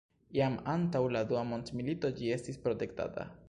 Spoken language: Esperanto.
Jam antaŭ la dua mondmilito ĝi estis protektata.